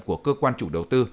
của cơ quan chủ đầu tư